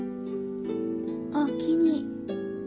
おおきに。